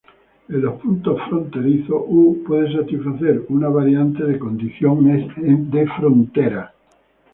En los puntos fronterizos, "u" puede satisfacer una variedad de condiciones de frontera.